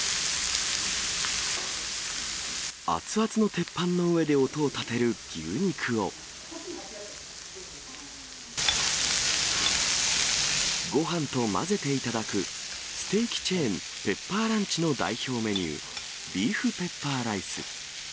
熱々の鉄板の上で音を立てる牛肉を、ごはんと混ぜて頂く、ステーキチェーン、ペッパーランチの代表メニュー、ビーフペッパーライス。